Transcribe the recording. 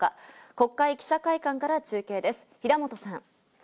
国会記者会館から中継です、平本さん。